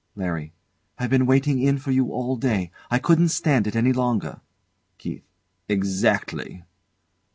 LARRY. I've been waiting in for you all day. I couldn't stand it any longer. KEITH. Exactly!